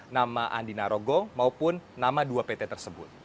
nama andi narogong maupun nama dua pt tersebut